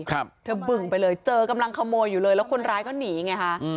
ทะบิ่งไปเลยเจอกำลังโขต้อยอยู่เลยแล้วคนร้ายก็หนีไงครับ